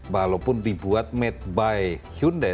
walaupun dibuat made by hyundai